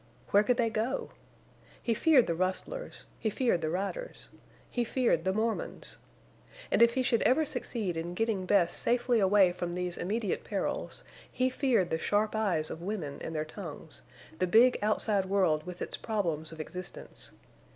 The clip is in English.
Where could they go? He feared the rustlers—he feared the riders—he feared the Mormons. And if he should ever succeed in getting Bess safely away from these immediate perils, he feared the sharp eyes of women and their tongues, the big outside world with its problems of existence.